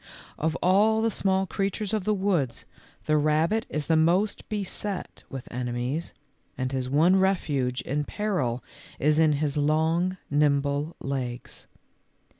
Of all the small creatures of the woods the rabbit is the most beset with enemies, and his one refuge in peril is in his long, nimble legs.